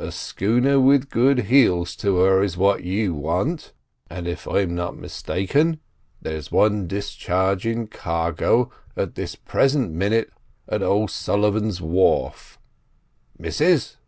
"A schooner with good heels to her is what you want; and, if I'm not mistaken, there's one discharging cargo at this present minit at O'Sullivan's wharf. Missus!"